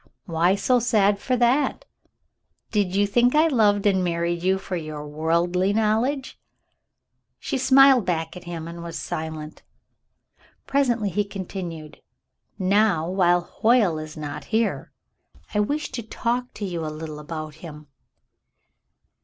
" Why so sad for that ? Did you think I loved you and married you for your worldly knowledge ?" She smiled back at him and was silent. Presently he continued. "Now, while Hoyle is not here, I wish to talk to you a little about him."